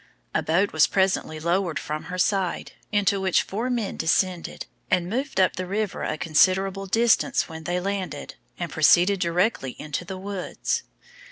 A boat was presently lowered from her side, into which four men descended, and moved up the river a considerable distance, when they landed, and proceeded directly into the woods.